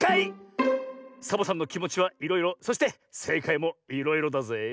サボさんのきもちはいろいろそしてせいかいもいろいろだぜえ。